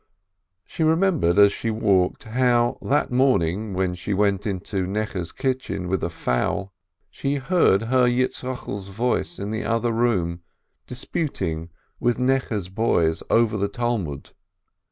She remembered, as she walked, how, that morn ing, when she went into Necheh's kitchen with a fowl, she heard her Yitzchokel's voice in the other room dis puting with Necheh's boys over the Talmud.